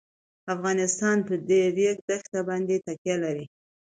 افغانستان په د ریګ دښتې باندې تکیه لري.